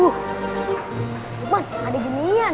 lukman ada jenian